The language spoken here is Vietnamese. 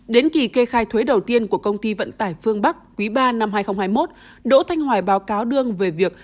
đến kỳ kê khai thuế đầu tiên của công ty vận tải phương bắc quý ba năm hai nghìn hai mươi một đỗ thanh hoài báo cáo đương về việc